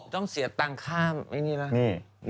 ต้องเสียตังค์ข้ามไอ้นี่ล่ะ